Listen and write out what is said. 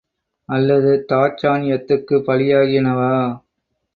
அல்லது தாட்சண்யத்திற்குப் பலியாகினவா?